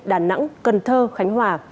đà nẵng cần thơ khánh hòa